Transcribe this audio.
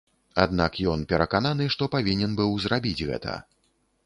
Аднак ён перакананы, што павінен быў зрабіць гэта.